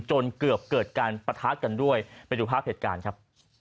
จนเกือบเกิดการปะทะกันด้วยไปดูภาพเหตุการณ์ครับ